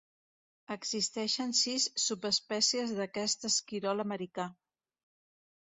Existeixen sis subespècies d'aquest esquirol americà.